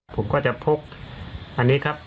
ผมก็จะพกอันนี้ครับ